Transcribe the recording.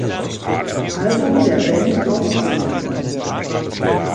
Album der Band aufzunehmen.